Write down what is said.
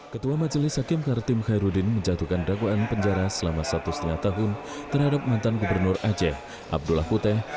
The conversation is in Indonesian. ketua majelis hakim kartim khairudin menjatuhkan dakwaan penjara selama satu lima tahun terhadap mantan gubernur aceh abdullah putih